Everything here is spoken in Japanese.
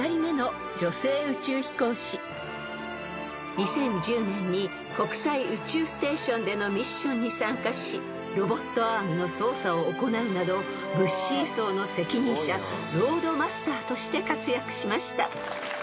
［２０１０年に国際宇宙ステーションでのミッションに参加しロボットアームの操作を行うなど物資移送の責任者ロードマスターとして活躍しました］